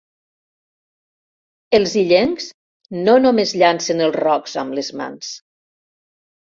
Els illencs no només llancen els rocs amb les mans.